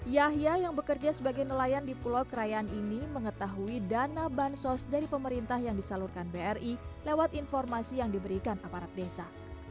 yahya yang bekerja sebagai nelayan di pulau kerayaan ini mengetahui dana bansos dari pemerintah yang disalurkan bri lewat informasi yang diberikan aparat desa